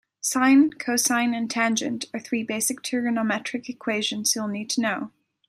Sine, cosine and tangent are three basic trigonometric equations you'll need to know.